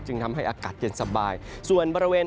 ทำให้อากาศเย็นสบายส่วนบริเวณ